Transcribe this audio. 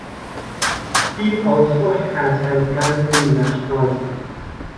He also has a Gambian nationality.